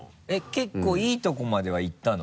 結構いいとこまではいったの？